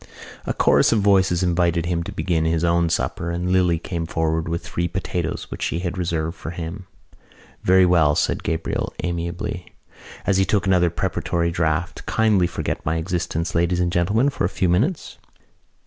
A chorus of voices invited him to begin his own supper and Lily came forward with three potatoes which she had reserved for him. "Very well," said Gabriel amiably, as he took another preparatory draught, "kindly forget my existence, ladies and gentlemen, for a few minutes."